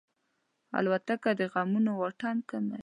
الوتکه د غمونو واټن کموي.